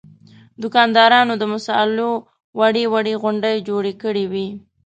دوکاندارانو د مصالحو وړې وړې غونډۍ جوړې کړې وې.